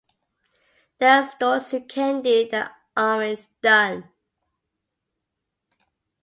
There are stories you can do that aren't done.